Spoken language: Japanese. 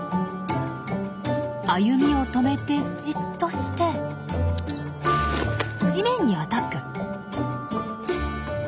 歩みを止めてじっとして地面にアタック！